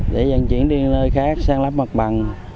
để dần chuyển đi nơi khác sang lấp mặt bằng